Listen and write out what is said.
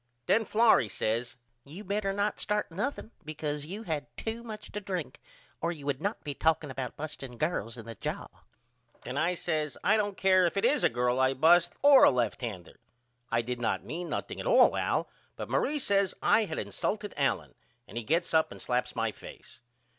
Then Florrie says You better not start nothing because you had to much to drink or you would not be talking about busting girls in the jaw. Then I says I don't care if it is a girl I bust or a lefthander. I did not mean nothing at all Al but Marie says I had insulted Allen and he gets up and slaps my face.